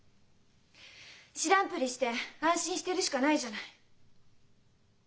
知らんぷりして安心してるしかないじゃない。